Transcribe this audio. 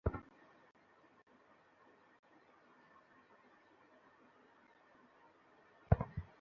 ফুল throttle করবে, বুঝেছো?